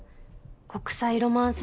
国際ロマンス